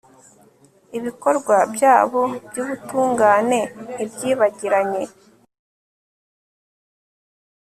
ibikorwa byabo by'ubutungane ntibyibagiranye